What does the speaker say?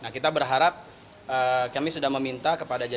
kita berharap kami sudah meminta kepada jepang